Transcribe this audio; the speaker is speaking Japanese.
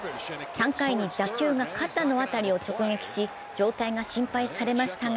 ３回に打球が肩の辺りを直撃し状態が心配されましたが